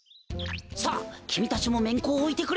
さあきみたちもめんこをおいてくれ。